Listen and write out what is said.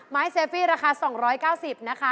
ไม้เซลฟี่ราคา๒๙๐บาทนะคะ